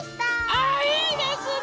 あいいですね！